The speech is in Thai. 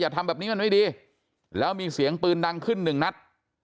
ทำแบบนี้มันไม่ดีแล้วมีเสียงปืนดังขึ้นหนึ่งนัด